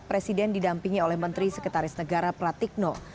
presiden didampingi oleh menteri sekretaris negara pratikno